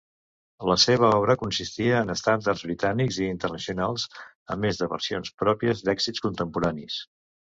La seva obra consistia en estàndards britànics i internacionals, a més de versions pròpies d'èxits contemporanis.